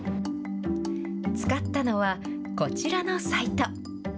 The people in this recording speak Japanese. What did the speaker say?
使ったのは、こちらのサイト。